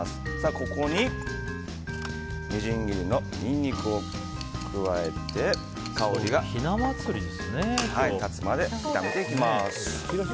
ここにみじん切りのニンニクを加えて香りが立つまで炒めていきます。